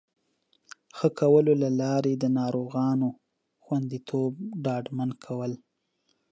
ښه کولو له لارې د ناروغانو خوندیتوب ډاډمن کول